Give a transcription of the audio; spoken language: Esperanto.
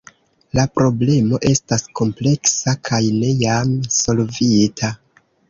La problemo estas kompleksa kaj ne jam solvita.